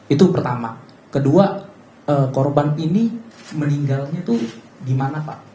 itu pertama kedua korban ini meninggalnya itu gimana pak